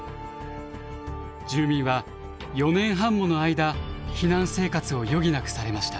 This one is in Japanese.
住民は４年半もの間避難生活を余儀なくされました。